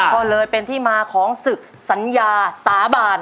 ก็เลยเป็นที่มาของศึกสัญญาสาบาน